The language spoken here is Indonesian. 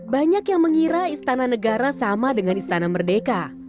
banyak yang mengira istana negara sama dengan istana merdeka